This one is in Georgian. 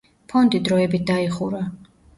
ფონდი დროებით დაიხურა.